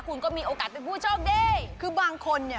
คุณก็มีโอกาสเป็นผู้โชคดี